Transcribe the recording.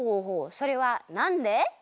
それはなんで？